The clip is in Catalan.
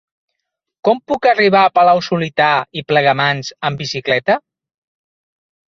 Com puc arribar a Palau-solità i Plegamans amb bicicleta?